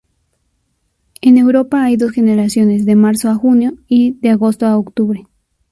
En Europa hay dos generaciones de marzo a junio y de agosto a octubre.